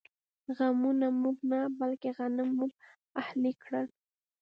غنمو موږ نه، بلکې غنم موږ اهلي کړل.